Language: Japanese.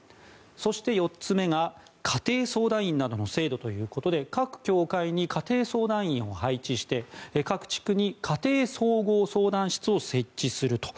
そして、４つ目が家庭相談員などの制度ということで各教会に家庭相談員などを配置して各地区に家庭総合相談室を設置すると。